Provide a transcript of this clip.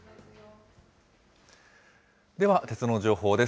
では、鉄道の情報です。